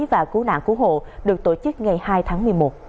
và cứu nạn cứu hộ được tổ chức ngày hai tháng một mươi một